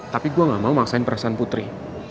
tapi gue gak mau maksain perasaan putri